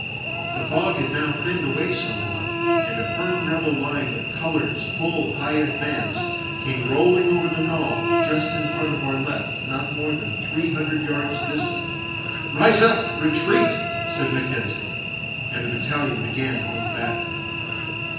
The fog had now thinned away somewhat and a firm rebel line with colors full high advanced came rolling over the knoll just in front of our left not more than three hundred yards distant. 'Rise up, Retreat,' said Mackenzie, and the battalion began to move back.